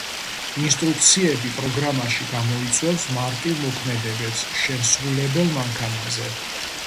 ინსტრუქციები პროგრამაში გამოიწვევს მარტივ მოქმედებებს შემსრულებელ მანქანაზე.